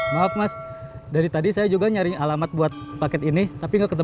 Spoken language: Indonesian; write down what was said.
maaf saya disuruh pulang sama istri saya